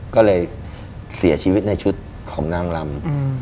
ก็เลยเสียชีวิตในชุดของนางลำ